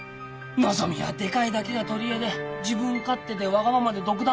のぞみはでかいだけが取り柄で自分勝手でわがままで独断